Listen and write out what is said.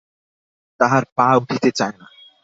তাহার পা উঠিতে চায় না।